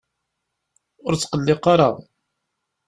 Ur tqelliq ara!